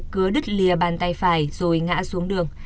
cứa đứt lìa bàn tay phải rồi ngã xuống đường